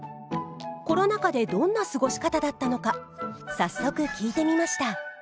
コロナ禍でどんな過ごし方だったのか早速聞いてみました。